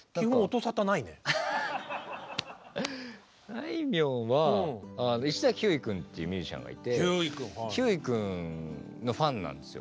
あいみょんは石崎ひゅーい君っていうミュージシャンがいてひゅーい君のファンなんですよ。